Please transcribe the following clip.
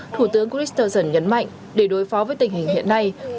thủ tướng christensen nhấn mạnh để đối phó với tình hình hiện nay